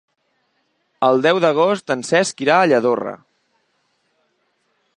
El deu d'agost en Cesc irà a Lladorre.